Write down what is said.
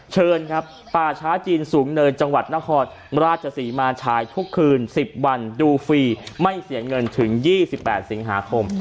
เชิญครับป่าช้าจีนสูงเนินจังหวัดนครราชศรีมาฉายทุกคืน๑๐วันดูฟรีไม่เสียเงินถึง๒๘สิงหาคม